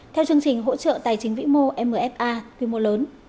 theo chương trình hỗ trợ tài chính vĩ mô mfa quy mô lớn